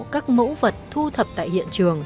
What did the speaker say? các mẫu vật thu thập tại hiện trường